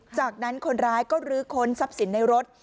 จากนั้นคนร้ายก็ลื้อค้นทรัพย์สินในรถ